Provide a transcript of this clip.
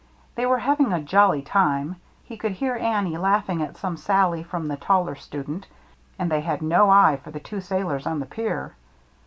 They were having a jolly time, — he could hear Annie laughing at some sally from the taller student, — and they had no eye for the two sailors on the pier.